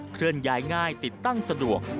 เคลื่อนย้ายง่ายติดตั้งสะดวก